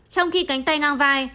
trong khi cánh tay ngang vai